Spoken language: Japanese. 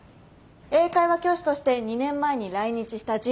英会話教師として２年前に来日した人物のようです。